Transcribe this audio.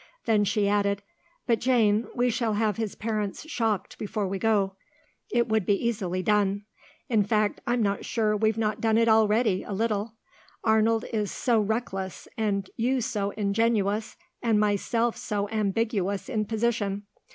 Then she added, "But, Jane, we shall have his parents shocked before we go. It would be easily done. In fact, I'm not sure we've not done it already, a little. Arnold is so reckless, and you so ingenuous, and myself so ambiguous in position.